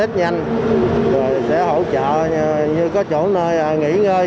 tết nhanh rồi sẽ hỗ trợ như có chỗ nơi nghỉ ngơi